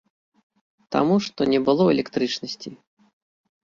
Таму што не было электрычнасці!